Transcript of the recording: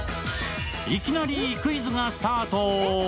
いきなりクイズがスタート。